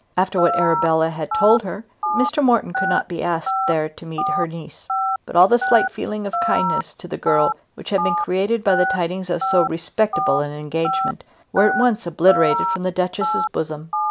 After what Arabella had told her Mr. Morton could not be asked there to meet her niece. But all the slight feeling of kindness to the girl which had been created by the tidings of so respectable an engagement were at once obliterated from the Duchess's bosom.